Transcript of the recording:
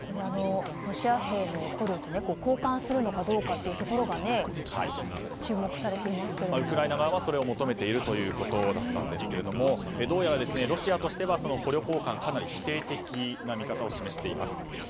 ロシア兵の捕虜と交換するのかどうか注目されていますけどもウクライナ側はそれを求めているということだったんですがどうやらロシアとしては捕虜交換にはかなり否定的な見方を示しています。